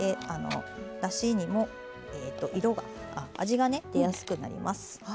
だしにも味が出やすくなります。